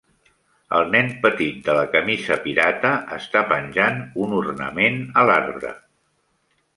El nen petit de la camisa pirata està penjant un ornament a l'arbre.